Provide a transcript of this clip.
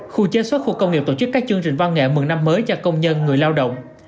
khu chế xuất khu công nghiệp tổ chức các chương trình văn nghệ mừng năm mới cho công nhân người lao động